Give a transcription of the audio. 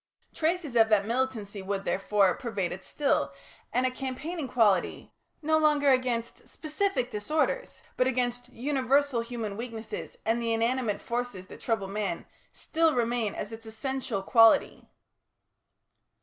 Traces of that militancy would, therefore, pervade it still, and a campaigning quality no longer against specific disorders, but against universal human weaknesses, and the inanimate forces that trouble man still remain as its essential quality.